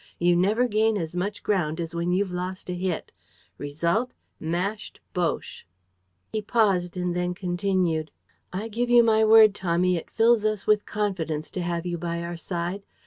You never gain as much ground as when you've lost a bit. Result: mashed Boches!" He paused and then continued: "I give you my word, Tommy, it fills us with confidence to have you by our side.